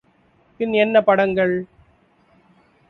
பின் என்ன படங்கள்?